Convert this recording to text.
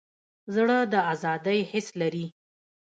زړه د ازادۍ حس لري.